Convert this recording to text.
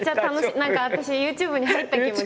何か私ＹｏｕＴｕｂｅに入った気持ち。